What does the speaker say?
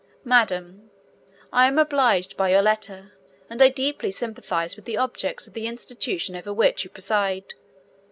MADAM, I am obliged by your letter, and I deeply sympathise with the objects of the institution over which you preside.